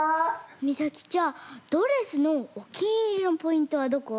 みさきちゃんドレスのおきにいりのポイントはどこ？